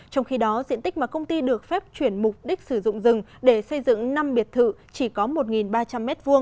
trong khi đó diện tích mà công ty được phép chuyển mục đích sử dụng rừng để xây dựng năm biệt thự chỉ có một ba trăm linh m hai